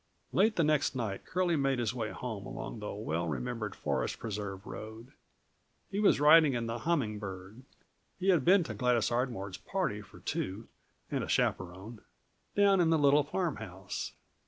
Late the next night Curlie made his way home along the well remembered Forest Preserve road. He was riding in the Humming Bird. He had been to Gladys Ardmore's party for two and a chaperon down in the little farmhouse.